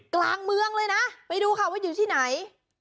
กลางเมืองเลยนะไปดูค่ะว่าอยู่ที่ไหน